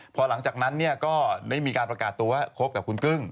พอหลังจากนั้นก็ได้มีการประกาศตัวว่าคบกับคุณกึ้ง